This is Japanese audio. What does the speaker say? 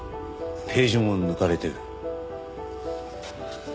ページも抜かれている。